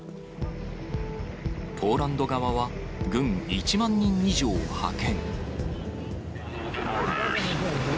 ポーランド側は軍１万人以上を派遣。